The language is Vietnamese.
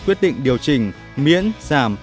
quyết định điều chỉnh miễn giảm